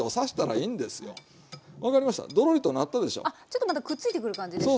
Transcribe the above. ちょっとまたくっついてくる感じですね。